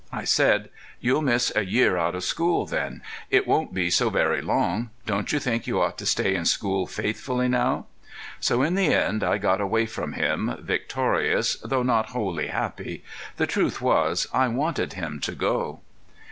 I said: "You'll miss a year out of school then. It won't be so very long. Don't you think you ought to stay in school faithfully now?" So in the end I got away from him, victorious, though not wholly happy. The truth was I wanted him to go.